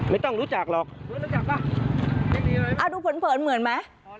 ไม่ต้องรู้จักหรอกเฟิร์ดรู้จักป่ะดูเผินเผินเหมือนไหม